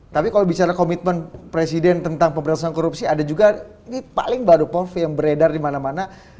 tapi kalau bicara komitmen presiden tentang pemberantasan korupsi ada juga ini paling baru yang beredar di mana mana